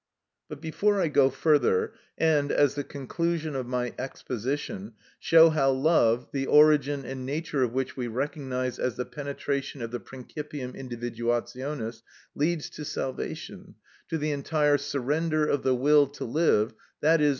But before I go further, and, as the conclusion of my exposition, show how love, the origin and nature of which we recognised as the penetration of the principium individuationis, leads to salvation, to the entire surrender of the will to live, _i.e.